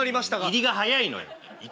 入りが早いのよ。